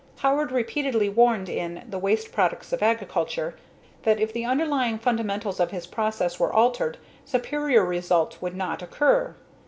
Howard repeatedly warned in The Waste Products of Agriculture that if the underlying fundamentals of his process were altered, superior results would not occur.